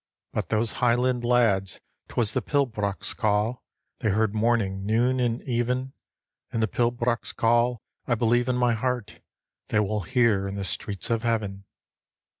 But those highland lads, 'twas the pibroch's call They heard morning, noon, and even, And the pibroch's call, I believe in my heart, They will hear in the streets of heaven.